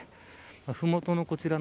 ふもとのこちらの